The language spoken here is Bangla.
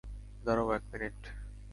দাড়াঁও, এক মিনিট।